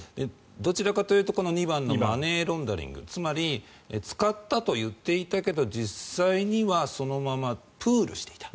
どちらかというと２番のマネーロンダリングつまり、使ったと言っていたけれど実際にはそのままプールしていた。